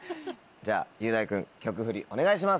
じゃあ雄大君曲フリお願いします。